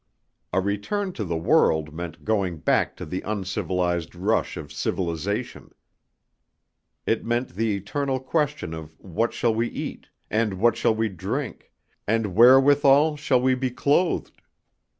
A return to the world meant going back to the uncivilized rush of civilization. It meant the eternal question of what shall we eat, and what shall we drink, and where withal shall we be clothed?